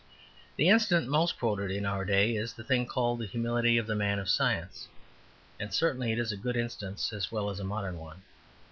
The instance most quoted in our day is the thing called the humility of the man of science; and certainly it is a good instance as well as a modern one.